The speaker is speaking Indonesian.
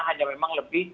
hanya memang lebih